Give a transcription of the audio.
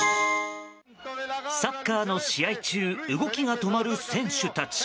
サッカーの試合中動きが止まる選手たち。